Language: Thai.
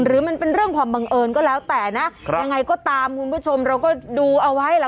หรือมันเป็นเรื่องความบังเอิญก็แล้วแต่นะยังไงก็ตามคุณผู้ชมเราก็ดูเอาไว้ล่ะ